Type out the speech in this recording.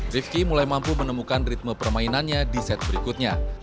rivki mulai mampu menemukan ritme permainannya di set berikutnya